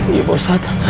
iya pak ustadz